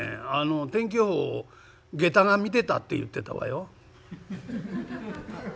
天気予報をげたが見てたって言ってたわよ」。